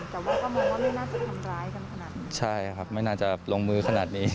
แต่ว่าก็มองว่าไม่น่าจะทำร้ายกันขนาดนี้ใช่ครับไม่น่าจะลงมือขนาดนี้